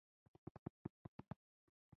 د ټاکنو څارونکي په خورا جدیت د بهیر ننداره کوي.